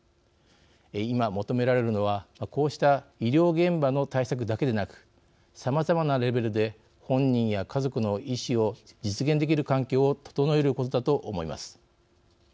今、求められるのはこうした医療現場の対策だけでなくさまざまなレベルで本人や家族の意思を実現できる環境を整えることだと思います。